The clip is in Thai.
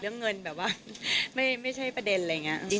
เรื่องเงินแบบว่าไม่ใช่ประเด็นอะไรอย่างนี้